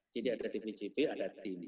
jadi ada dpjp ada tim